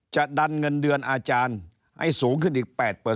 จะดันเงินเดือนอาจารย์ให้สูงขึ้นอีก๘